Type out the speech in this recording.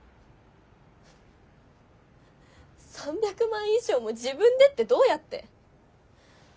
３００万以上も自分でってどうやって？